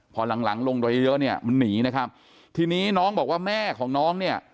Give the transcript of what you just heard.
พอหลังลงเยอะมันหนีนะครับทีนี้น้องบอกว่าแม่ของน้องเนี่ย